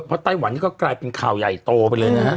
เพราะไต้หวันนี่ก็กลายเป็นข่าวใหญ่โตไปเลยนะฮะ